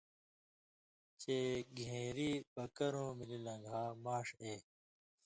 چےۡ گھېن٘ری بکرؤں ملی لن٘گھا، ماݜ اے۔